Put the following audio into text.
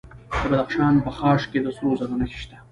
د بدخشان په خاش کې د سرو زرو نښې شته.